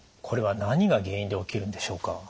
これは何が原因で起きるんでしょうか？